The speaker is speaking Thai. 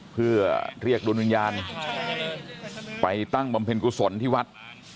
เพื่อเรียกดวงวิญญาณไปตั้งบำเพ็ญกุศลที่วัด